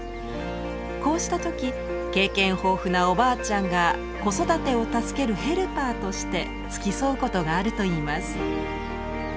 こうした時経験豊富なおばあちゃんが子育てを助ける「ヘルパー」として付き添うことがあるといいます。